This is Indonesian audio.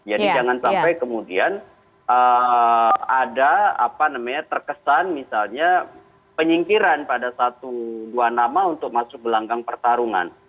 jadi jangan sampai kemudian ada apa namanya terkesan misalnya penyingkiran pada satu dua nama untuk masuk belanggang pertarungan